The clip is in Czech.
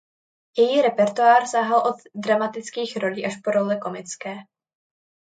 Její repertoár sahal od dramatických rolí až po role komické.